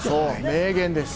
名言です。